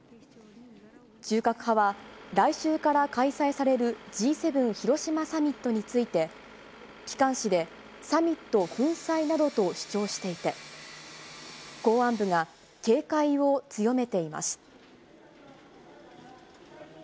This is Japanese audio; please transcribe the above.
中核派は来週から開催されるＧ７広島サミットについて、機関紙でサミット粉砕などと主張していて、公安部が警戒を強めています。